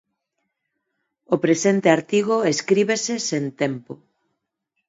O presente artigo escríbese sen tempo.